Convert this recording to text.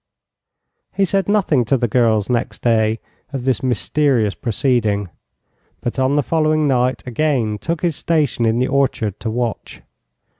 He said nothing to the girls next day of this mysterious proceeding, but on the following night again took his station in the orchard to watch.